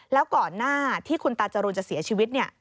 แล้วก่อนหน้าที่คุณตาจรูนจะเสียชีวิต